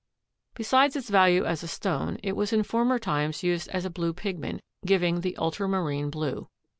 Besides its value as a stone it was in former times used as a blue pigment, giving the ultramarine blue.